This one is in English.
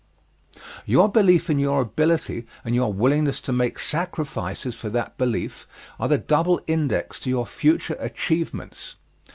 Your belief in your ability and your willingness to make sacrifices for that belief, are the double index to your future achievements.